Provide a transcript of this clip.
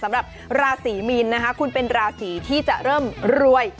สำหรับราศีมีนนะคะคุณเป็นราศีที่จะเริ่มรวย